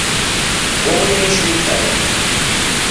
Слово имеет Швейцария.